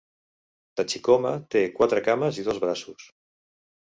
Tachikoma té quatre cames i dos braços.